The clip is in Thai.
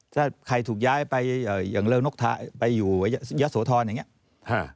ถ้าใครถูกย้ายไปอย่างเริงนกทาไปอยู่ยะโสธรอย่างนี้